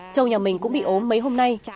trâu nhà mình cũng bị ốm mấy hôm nay